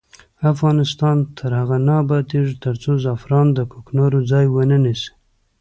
افغانستان تر هغو نه ابادیږي، ترڅو زعفران د کوکنارو ځای ونه نیسي.